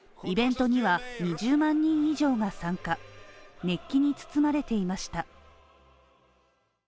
イベントには２０万人以上が参加熱気に包まれていました。